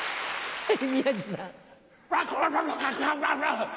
はい。